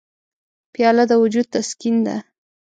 پیاله د وجود تسکین ده.